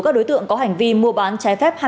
các đối tượng có hành vi mua bán trái phép